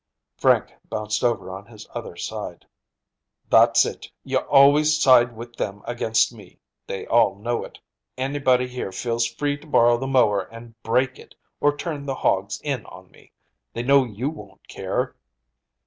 Frank bounced over on his other side. "That's it; you always side with them against me. They all know it. Anybody here feels free to borrow the mower and break it, or turn their hogs in on me. They know you won't care!"